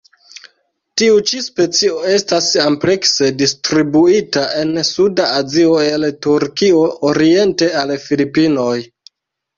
Tiu ĉi specio estas amplekse distribuita en suda Azio el Turkio oriente al Filipinoj.